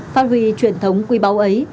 phát huy truyền thống quý báu ấy